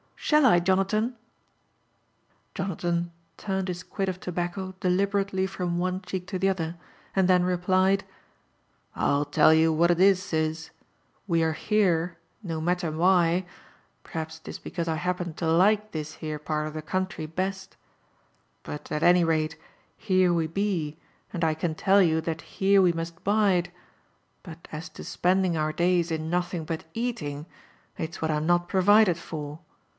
Shall I^ Jonathan?" JONATHAN JEFFERSON WHITLAW. 5 Jonathan tamed his quid of tobacco deliberately from ond cheek to the other, and (hen replied, " r\\ tell you what it is, sis, — we are here — no matter why, — Perhaps 'tis because I happen to like this here part of the country best —but at any rate here we be, and I can tell you that here we must bide — but as to. spending our days in nothing but eating, it's what Fm not provided for.